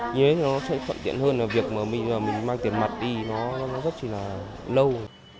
như thế nó sẽ thuận tiện hơn là việc mà mình mang tiền mặt đi nó rất là lâu